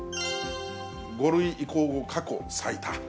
５類移行後、過去最多。